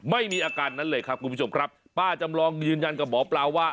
ไม่มีอาการนั้นเลยครับคุณผู้ชมครับป้าจำลองยืนยันกับหมอปลาว่า